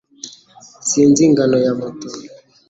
Sinzi ingano ya moto